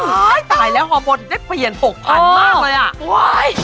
โอ้ยตายแล้วฮอร์โมนมันเปลี่ยน๖๐๐๐บาทมากเลย